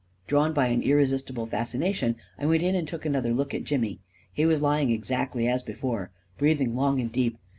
Drawn by an irresistible fascination, I went in and took another look at Jimmy. He was lying exactly as before, breathing long and deep.